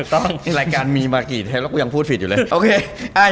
ต้องรายการมีมากี่แต่กูยังพูดผิดอยู่เลย